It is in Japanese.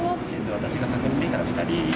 私が確認できたのは２人。